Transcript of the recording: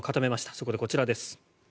そこでこちらです。